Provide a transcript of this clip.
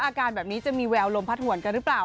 อาการแบบนี้จะมีแววลมพัดหวนกันหรือเปล่า